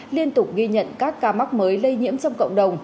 liên tục ghi nhận các ca mắc mới lây nhiễm trong cộng đồng